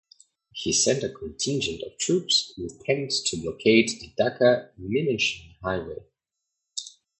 He sent a contingent of troops with tanks to blockade the Dhaka-Mymenshing highway.